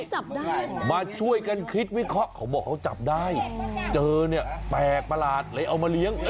จับได้มาช่วยกันคิดวิเคราะห์เขาบอกเขาจับได้เจอเนี่ยแปลกประหลาดเลยเอามาเลี้ยง